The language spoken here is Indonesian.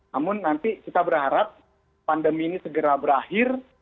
namun nanti kita berharap pandemi ini segera berakhir